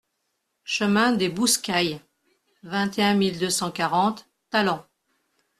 Chemin des Boussecailles, vingt et un mille deux cent quarante Talant